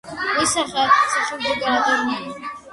მისი სახეობები დეკორატიულია.